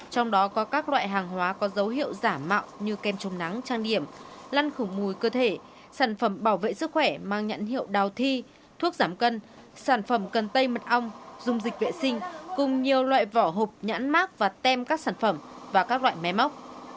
trong đó có các loại hàng hóa có dấu hiệu giả mạo như kem chống nắng trang điểm lăn khủng mùi cơ thể sản phẩm bảo vệ sức khỏe mang nhãn hiệu đào thi thuốc giảm cân sản phẩm cần tây mật ong dung dịch vệ sinh cùng nhiều loại vỏ hộp nhãn mát và tem các sản phẩm và các loại máy móc